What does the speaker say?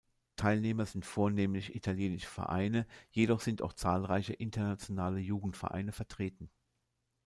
Teilnehmer sind vornehmlich italienische Vereine, jedoch sind auch zahlreiche internationale Jugendvereine vertreten.